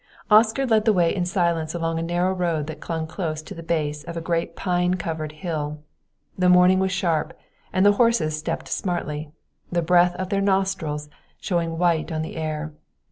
Oscar led the way in silence along a narrow road that clung close to the base of a great pine covered hill. The morning was sharp and the horses stepped smartly, the breath of their nostrils showing white on the air.